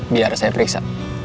biar saya periksa